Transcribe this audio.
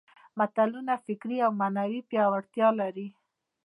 متلونه فکري او معنوي پياوړتیا لري